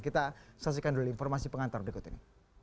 kita saksikan dulu informasi pengantar berikut ini